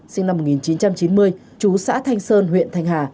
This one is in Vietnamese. sinh năm một nghìn chín trăm chín mươi chú xã thanh sơn huyện thanh hà